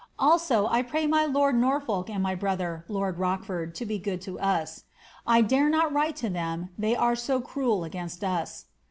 Also, I pray my lord Norfolk and my brother (lord Rochford) to be good to us. I dare not write to them, they are so cruel against us."